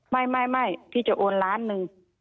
ไม่พี่จะโอนล้านหนึ่ง